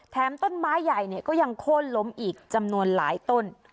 ต้นไม้ใหญ่ก็ยังโค้นล้มอีกจำนวนหลายต้น